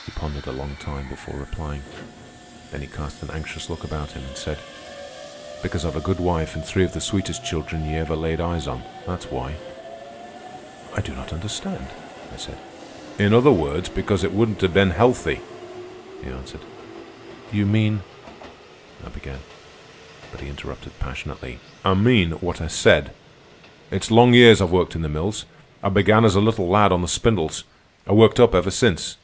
He pondered a long time before replying. Then he cast an anxious look about him and said: "Because I've a good wife an' three of the sweetest children ye ever laid eyes on, that's why." "I do not understand," I said. "In other words, because it wouldn't a ben healthy," he answered. "You mean—" I began. But he interrupted passionately. "I mean what I said. It's long years I've worked in the mills. I began as a little lad on the spindles. I worked up ever since.